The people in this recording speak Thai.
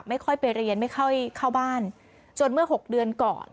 ไม่ค่อยไปเรียนไม่ค่อยเข้าบ้านจนเมื่อ๖เดือนก่อน